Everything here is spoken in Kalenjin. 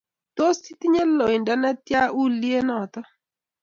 Tos tinye loindo netya uliet noto